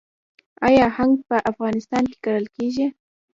آیا هنګ په افغانستان کې کرل کیږي؟